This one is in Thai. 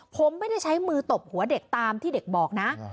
ผมไม่ได้ใช้มือตบหัวเด็กตามที่เด็กบอกนะ